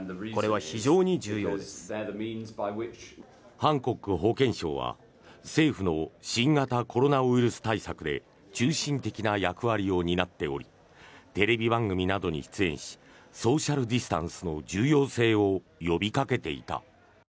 ハンコック保健相は政府の新型コロナウイルス対策で中心的な役割を担っておりテレビ番組などに出演しソーシャル・ディスタンスの重要性を呼びかけていた。